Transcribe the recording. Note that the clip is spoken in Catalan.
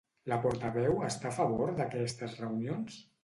La portaveu està a favor d'aquestes reunions?